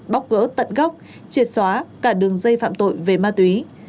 bóc gỡ tận gốc triệt xóa cả đường dây phạm tội về ma túy